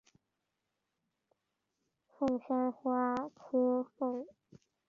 辐射凤仙花是凤仙花科凤仙花属的植物。